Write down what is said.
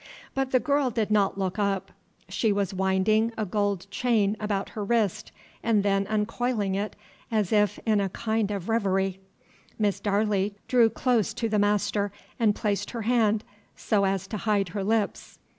But the girl did not look up; she was winding a gold chain about her wrist, and then uncoiling it, as if in a kind of reverie. Miss Darley drew close to the master and placed her hand so as to hide her lips.